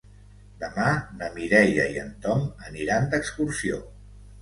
Demà na Mireia i en Tom aniran d'excursió.